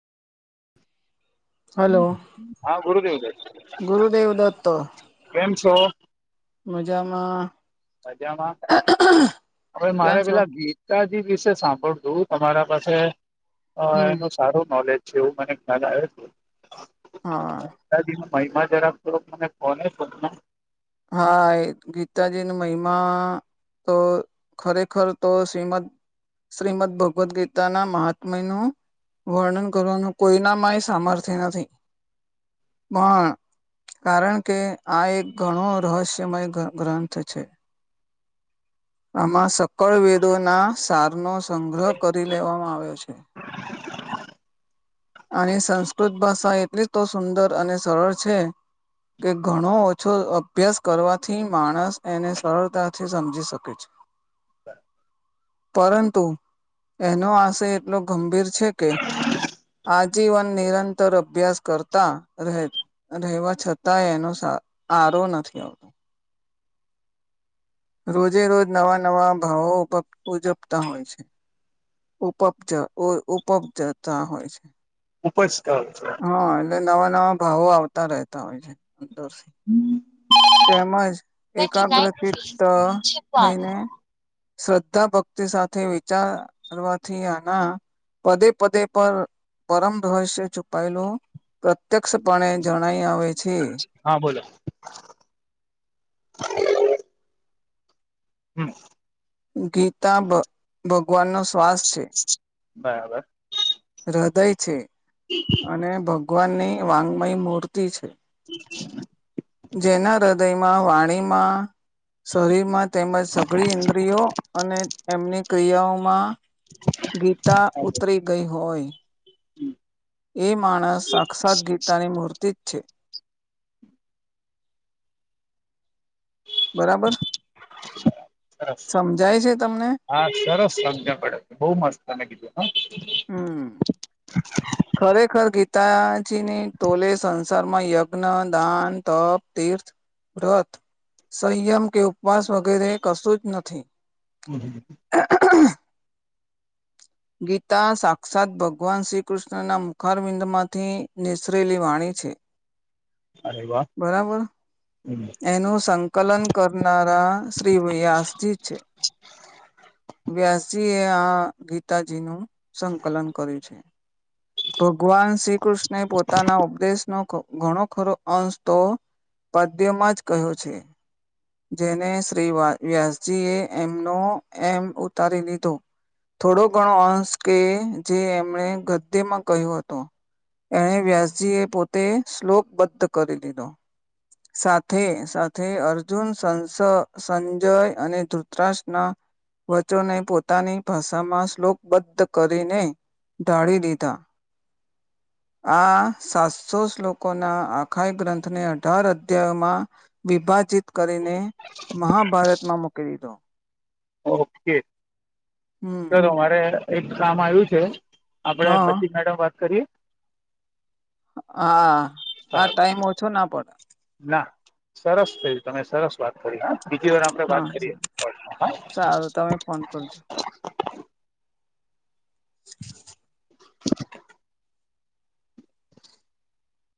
Hello હા ગુરુદેવદત્ત ગુરુદેવ દત્ત છે કેમ છો. મજામાં. બજામાં આપણે ક્યાં મારે છો પેલા ગીતા ગીતાજી વિશે સાંભળ તું તમારા પાસે અહ હમ એનું સારું નોલેજ છે એવું મને ખ્યાલ આયો છે. હા. [inaudible] હા એ ગીતાજી ની મહિમા તો ખરેખર તો શ્રીમદ શ્રીમદ ભગવદ્ ગીતાના મહાત્મનું વર્ણન કરવાનું કોઈનામાંય સામર્થ્ય નથી. માં પણ કારણ કે આ એક ઘણો રહસ્યમય ગ્રં ગ્રંથ છે. આમાં સકળ વેદોના સારનો સંગ્રહ કરી લેવામાં આવ્યો છે. [inaudible] અને સંસ્કૃત ભાષા એટલી તો સુંદર અને સરળ છે કે ઘણો છો અભ્યાસ કરવાથી માણસ એને સરળતાથી સમજી શકે છે. પરંતુ એનો આશય એટલો ગંભીર છે કે આજીવન નિરંતર અભ્યાસ કરતા રહે. અને રહેવા છતાંય એનો આરો નથી આવતો. રોજે રોજ નવા નવા ભાવો ઉપક ઉજપતા હોય છે. ઉપબ્જ અહ ઉપબ્જતા હોય છે. ઉપજ કર છે. હા એટલે નવા નવા ભાવો આવતા રહેતા હોય છે. તો સે તેમજ એકાગ્રતિતા થઈને શ્રદ્ધા ભક્તિ સાથે વિચાર વાથી આના પદે પદે પર પરમ હોય છે છુપાયેલો પ ત્યક્ષપણે જણાય આવે છે. હા બોલો. હમ્મ. ગીતાબ ભગવાનનો શ્વાસ છે. બરાબર હૃદય છે અને ભગવાનની વાંગમય મૂર્તિ છે. હ. જેના હૃદયમાં વાણીમાં શરીરમાં તેમજ સઘડી ઇન્દ્રિયો અને એમની ક્રિયાઓમાં ગીતા હા બોલો. ઉતરી ગઈ હોય એ માણસ સાક્ષાત ગીતાની મૂર્તિ જ છે. બરાબર સરસ સમજાય છે તમને? હા સરસ સંમજ પડે. બહુ મસ્ત તમે કીધું હ. હમ્મ. ખરેખર ગીતાજીની ટોલે સંસારમાં યજ્ઞ દાન તપ તીર્થ વ્રત સંયમ કે ઉપવાસ વગેરે કશું જ નથી. હમ્મ હમ્મ હમ્મ. ગીતા સાક્ષાત ભગવાન શ્રી કૃષ્ણના મુખારબિંદ માંથી નેસરેલી વાણી છે. અરે વાહ બરાબર હમ્મ. એનું સંકલન કરનારા શ્રી વ્યાસજી છે. વ્યાસીએ આ ગીતાજીનું સંકલન કર્યું છે. ભગવાન શ્રી કૃષ્ણ એ પોતાના ઉપદેશનો ઘણો ખરો અંશ તો તેમાં જ કહ્યો છે. જેને શ્રી વા-વ્યાસજી એ એમનો એમ ઉતારી લીધો. થોડો ઘણો અંશ કે જે એમણે ગદ્દ્યમાં કહ્યો હતો. એણે વ્યાસજી એ પોતે શ્લોક બદ્ધ કરી દીધો. સાથે સાથે અર્જુન સંસ સંજય અને ધૃત્રરાક્ષના વચ્ચોને પોતાની ભાષામાં શ્લોકબદ્ધ કરીને તાળી દીધા આ સાતસો શ્લોકોના આખા ગ્રંથને અઢાર અઘ્યાયોમાં વિભાજિત કરીને, મહાભારતમાં મૂકી દીધો. ઓકે, હમ ચાલો મારે એક કામ આવ્યું છે. આપણે હા પછી મેડમ વાત કરીએ હા, આ સારું ટાઈમ ઓછો ના પડે ના, સરસ થયું, તમે સરસ વાત કરી હા. બીજી વાર આપણે હા વાત કરીએ, હ સારું તમે ફોન કરજો [inaudible] [inaudible]